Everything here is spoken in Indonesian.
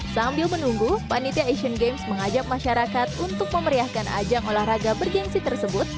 sambil menunggu panitia asian games mengajak masyarakat untuk memeriahkan ajang olahraga bergensi tersebut